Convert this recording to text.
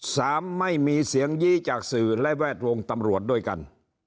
สามไม่มีเสียงยี้จากสื่อและแวดวงตำรวจด้วยกัน